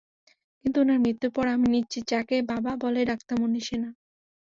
কিন্তু উনার মৃত্যুর পর, আমি নিশ্চিত যাকে বাবা বলে ডাকতাম উনি সে না।